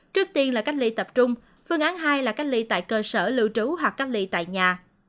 trước tiên là cách ly tập trung phương án hai là cách ly tại cơ sở lưu trú hoặc cách ly tại nhà